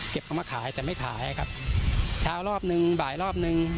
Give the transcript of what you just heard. เก็บเข้ามาขายจะไม่ขายครับช้ารอบนึงบ่ายรอบนึง